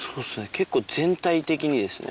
結構全体的にですね。